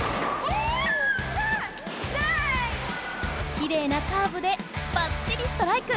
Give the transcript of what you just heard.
きれいなカーブでばっちりストライク！